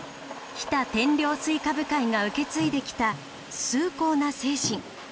日田天領西瓜部会が受け継いできた崇高な精神。